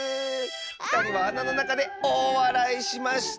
ふたりはあなのなかでおおわらいしました」。